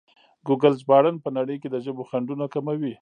ګوګل ژباړن په نړۍ کې د ژبو خنډونه کموي.